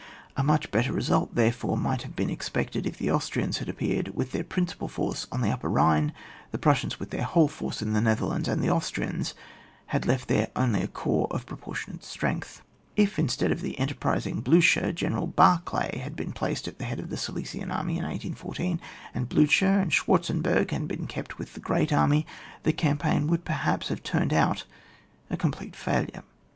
A much better result, therefore, might have been expected if the Austrians had appeared with their principal force on the Upper Bhine, the Prussians with their whole force in the Netherlands, and the Austrians had left there only a corps of proportionate strength. If, instead of the enterprising Bliidier, General Barclay had been placed at the head of the 8ilesian army in 1814, and Bliicher and Schwartzenberg had been kept with the grand army, the campaign would perhaps have turned out a complete failure.